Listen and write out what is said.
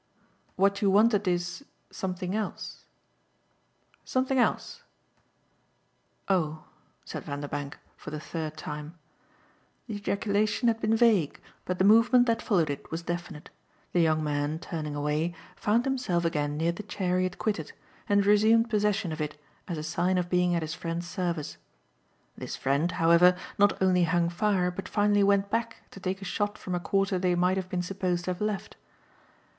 "What you wanted is something else?" "Something else." "Oh!" said Vanderbank for the third time. The ejaculation had been vague, but the movement that followed it was definite; the young man, turning away, found himself again near the chair he had quitted, and resumed possession of it as a sign of being at his friend's service. This friend, however, not only hung fire but finally went back to take a shot from a quarter they might have been supposed to have left.